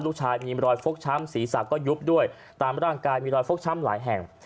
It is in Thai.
ลูกชายมีรอยฟกช้ำศีรษะก็ยุบด้วยตามร่างกายมีรอยฟกช้ำหลายแห่ง